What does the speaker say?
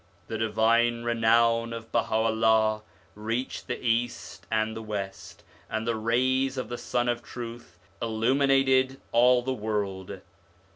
The divine re nown of Baha'u'llah reached the East and the West, and the rays of the Sun of Truth illuminated all the world.